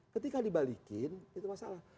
ketika dibalikin itu masalah